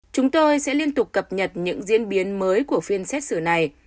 chúng tôi sẽ liên tục cập nhật những diễn biến mới của phiên xét xử này